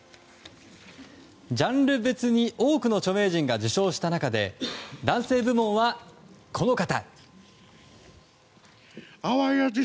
ジャンル別に多くの著名人が受賞した中で男性部門は、この方。